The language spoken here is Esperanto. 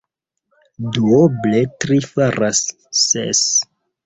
Duoble tri faras ses.